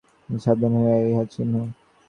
ব্রাহ্মণগণ, সাবধান, ইহাই মৃত্যুর চিহ্ন।